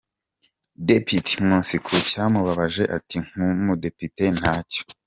Depite Nkusi ku cyamubabaje ati “Nk’umudepite ntacyo.